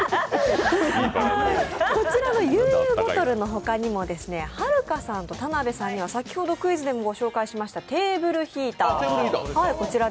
こちらのＹｕＹｕＢｏｔｔｌｅの他にもはるかさんと田辺さんには、先ほどクイズでもご紹介したテーブルヒーター。